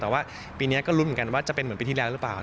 แต่ว่าปีนี้ก็ลุ้นเหมือนกันว่าจะเป็นเหมือนปีที่แล้วหรือเปล่า